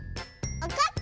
わかった。